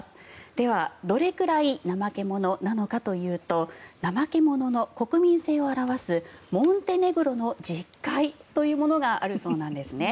では、どれくらい怠け者なのかというと怠け者の国民性を表すモンテネグロの十戒というものがあるそうなんですね。